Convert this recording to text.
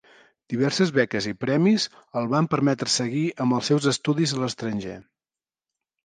Diverses beques i premis el van permetre seguir amb els seus estudis a l'estranger.